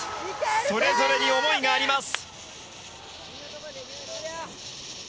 それぞれに思いがあります。